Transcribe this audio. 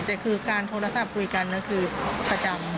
แต่คือการโทรศัพท์คุยกันก็คือประจำ